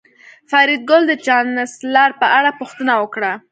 فریدګل د چانسلر په اړه پوښتنه وکړه